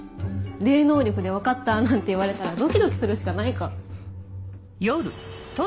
霊能力で分かったなんて言われたらドキドキするしかないか。